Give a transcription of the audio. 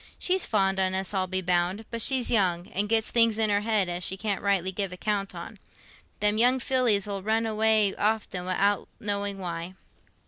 "She's fond on us, I'll be bound; but she's young, an' gets things in her head as she can't rightly give account on. Them young fillies 'ull run away often wi'out knowing why."